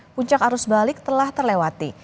puncak arus balik telah terlewati